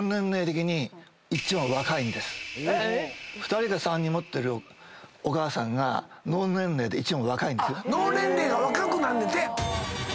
２人か３人持ってるお母さんが脳年齢で一番若いんですよ。